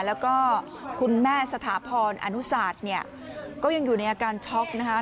แล้วก็คุณแม่สถาพรอนุศาสตร์เนี่ยก็ยังอยู่ในอาการช็อกนะคะ